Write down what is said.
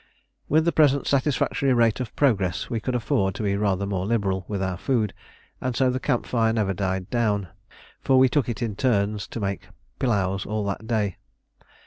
With the present satisfactory rate of progress we could afford to be rather more liberal with our food; and so the camp fire never died down, for we took it in turns to make "pilaus" all that day.